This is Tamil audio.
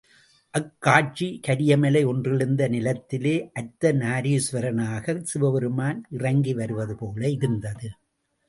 அக் காட்சி, கரிய மலை யொன்றிலிருந்து நிலத்திலே அர்த்தநாரீசுவரனாகச் சிவபெருமான் இறங்கி வருவதுபோலிருந்தது.